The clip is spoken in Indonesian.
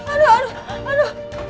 aduh aduh aduh